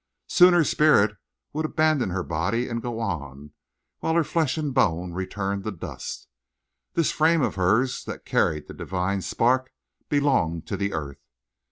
Soon her spirit would abandon her body and go on, while her flesh and bone returned to dust. This frame of hers, that carried the divine spark, belonged to the earth.